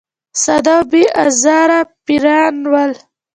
ساده او بې آزاره پیران ول.